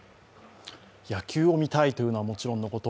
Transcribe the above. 野球を見たいというのはもちろんのこと